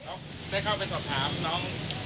โอ้โหเด็กเข้าไปสอบถามน้อง